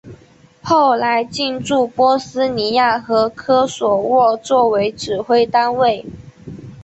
后来进驻波斯尼亚和科索沃作为指挥单位。